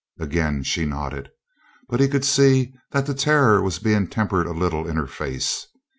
Again she nodded. But he could see that the terror was being tempered a little in her face.